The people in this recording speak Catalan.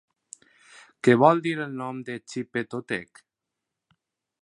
Què vol dir el nom de Xipe-Totec?